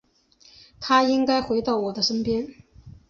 他应该回到我的身边